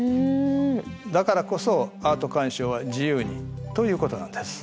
だからこそアート鑑賞は自由に！ということなんです。